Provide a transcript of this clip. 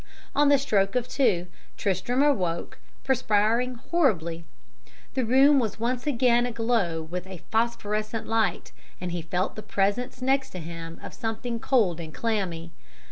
"On the stroke of two Tristram awoke, perspiring horribly. The room was once again aglow with a phosphorescent light, and he felt the presence next to him of something cold and clammy.